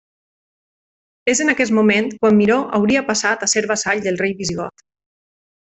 És en aquest moment quan Miró hauria passat a ser vassall del rei visigot.